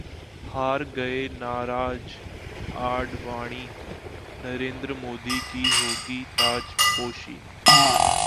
हार गए नाराज आडवाणी, नरेंद्र मोदी की होगी ताजपोशी!